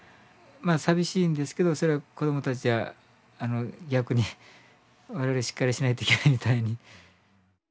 まあ寂しいんですけどそれは子供たちは逆に我々しっかりしないといけないみたいに。